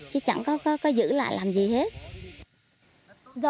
chứ chẳng có giữ lại làm gì hết